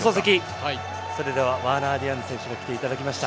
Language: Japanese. それではワーナー・ディアンズ選手に来ていただきました。